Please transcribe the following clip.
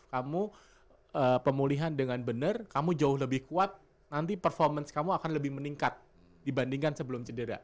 kamu pemulihan dengan benar kamu jauh lebih kuat nanti performance kamu akan lebih meningkat dibandingkan sebelum cedera